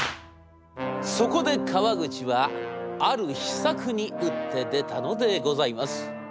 そこで川口はある秘策に打って出たのでございます。